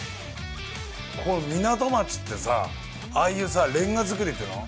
こういう港町ってさ、ああいうレンガ造りっていうの？